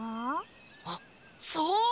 あっそうだ！